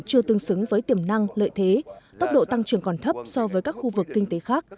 chưa tương xứng với tiềm năng lợi thế tốc độ tăng trưởng còn thấp so với các khu vực kinh tế khác